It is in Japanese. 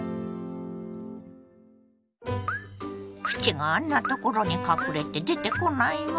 プチがあんなところに隠れて出てこないわ。